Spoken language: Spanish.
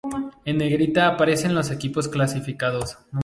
En negrita aparecen los equipos clasificados.